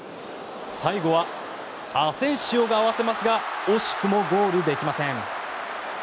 最後はアセンシオが合わせますが惜しくもゴールできません。